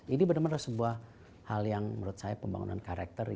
ini benar benar sebuah hal yang menurut saya pembangunan karakter